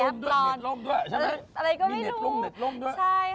มีเน็ตล่มด้วยมีเน็ตล่มด้วย